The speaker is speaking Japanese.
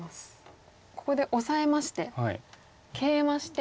ここでオサえましてケイマして。